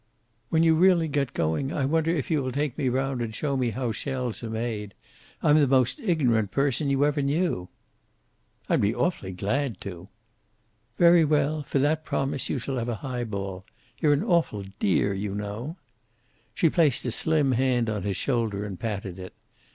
"When you really get going, I wonder if you will take me round and show me how shells are made. I'm the most ignorant person you ever knew." "I'll be awfully glad to." "Very well. For that promise you shall have a highball. You're an awful dear, you know." She placed a slim hand on his shoulder and patted it.